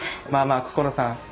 まあまあ心さん。